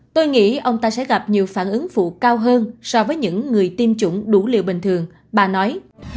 tôi nghĩ ông ta sẽ gặp nhiều phản ứng phụ cao hơn so với những người tiêm chủng đủ liều bình thường bà nói